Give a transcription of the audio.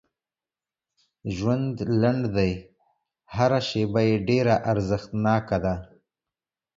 ژوند لنډ دی هر شیبه یې ډېره ارزښتناکه ده